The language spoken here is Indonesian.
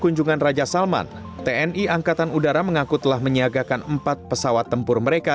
kunjungan raja salman tni angkatan udara mengaku telah menyiagakan empat pesawat tempur mereka